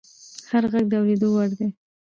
هر غږ د اورېدو وړ دی